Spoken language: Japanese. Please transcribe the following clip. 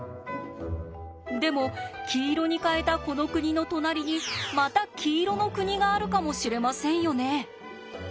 でも黄色に変えたこの国の隣にまた黄色の国があるかもしれませんよね。